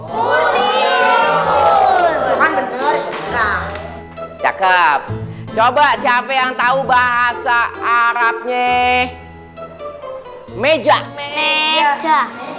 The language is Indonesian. kursi betul betul cakep coba siapa yang tahu bahasa arabnya meja meja